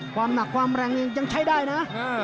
ความหนักความแรงนี่ยังใช้ได้นะ